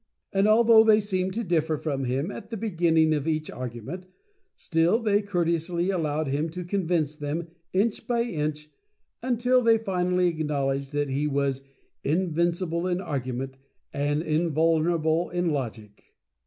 And al though they seemed to differ from him at the begin ning of each argument, still they courteously allowed him to convince them inch by inch, until they finally acknowledged that he was Invincible in Argument, and Invulnerable in Logic.